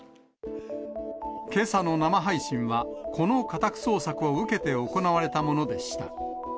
けさの生配信は、この家宅捜索を受けて行われたものでした。